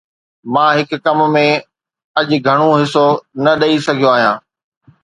مان هن ڪم ۾ اڄ گهڻو حصو نه ڏئي سگهيو آهيان